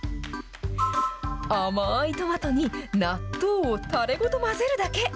甘いトマトに、納豆をたれごと混ぜるだけ。